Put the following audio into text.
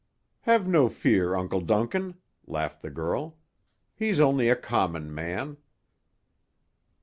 "Have no fear, Uncle Duncan," laughed the girl. "He's only a common man."